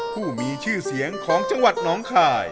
ผู้มีชื่อเสียงของจังหวัดน้องคาย